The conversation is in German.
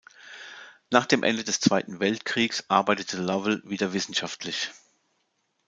Nach dem Ende des Zweiten Weltkriegs arbeitete Lovell wieder wissenschaftlich.